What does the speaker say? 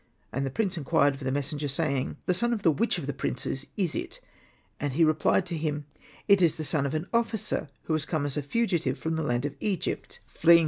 And the prince inquired of the messenger, saying, " The son of which of the princes is it ?" And he replied to him, " It is the son of an officer, who has come as a fugitive from the land of Egypt, fleeing from before his Hosted by Google THE CLI.